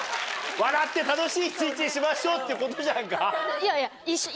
笑って楽しい一日にしましょうっていうことじゃんか。